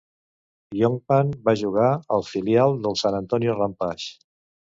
Yonkman va jugar al filial de San Antonio Rampage.